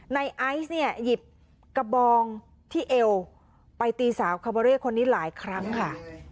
ไอซ์เนี่ยหยิบกระบองที่เอวไปตีสาวคาเบอร์เร่คนนี้หลายครั้งค่ะ